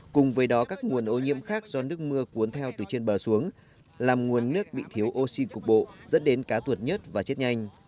cùng với đó các nguồn ô nhiễm khác do nước mưa cuốn theo từ trên bờ xuống làm nguồn nước bị thiếu oxy cục bộ dẫn đến cá tuột nhất và chết nhanh